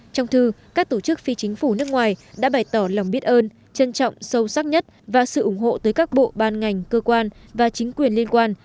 trong thư các tổ chức phi chính phủ nước ngoài đã bày tỏ lòng biết ơn trân trọng sâu sắc nhất và sự ủng hộ tới các bộ ban ngành cơ quan và chính quyền liên quan